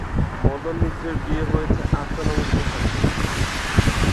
মদন মিত্রের বিয়ে হয়েছে অর্চনা মিত্রের সাথে।